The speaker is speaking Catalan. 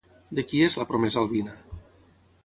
De qui és la promesa Alvina?